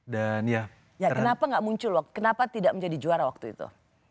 dan ya kenapa gak muncul kenapa tidak menjadi juara waktu itu